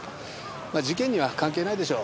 まあ事件には関係ないでしょう。